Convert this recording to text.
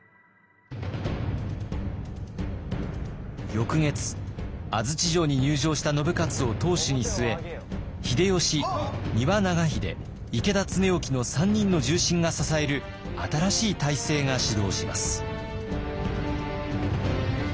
翌月安土城に入城した信雄を当主に据え秀吉丹羽長秀池田恒興の３人の重臣が支える新しい体制が始動します。